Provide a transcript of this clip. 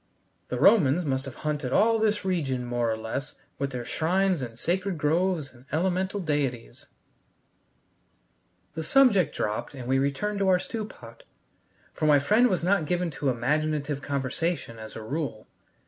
The Romans must have haunted all this region more or less with their shrines and sacred groves and elemental deities." The subject dropped and we returned to our stew pot, for my friend was not given to imaginative conversation as a rule.